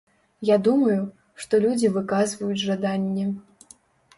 Я думаю, што людзі выказваюць жаданне.